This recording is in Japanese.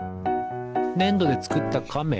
ねんどでつくったカメ？